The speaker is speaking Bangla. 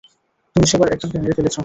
তুমি সেবার একজনকে মেরে ফেলেছ।